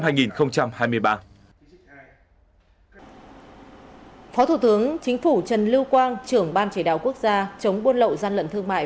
phó thủ tướng chính phủ trần lưu quang trưởng ban chỉ đạo quốc gia chống buôn lậu gian lận thương mại